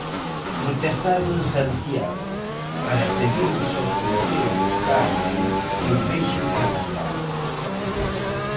Protestaron en Santiago, para pedirlles aos concellos, Carmen, que os deixen traballar.